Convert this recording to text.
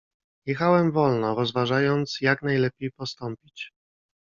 "Jechałem wolno, rozważając, jak najlepiej postąpić."